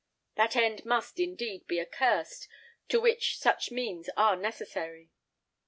That end must, indeed, be accursed, to which such means are necessary.